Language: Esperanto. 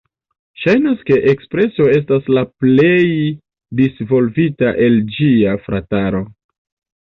Ŝajnas ke Ekspreso estas la plej disvolvita el ĝia "frataro".